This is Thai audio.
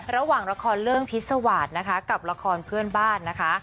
ระหว่างละครเรื่องพิษวาสนะคะกับละครเพื่อนบ้านนะคะ